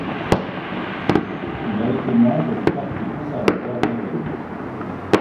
Il a été membre du parti conservateur britannique.